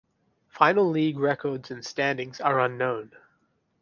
Final league records and standings are unknown.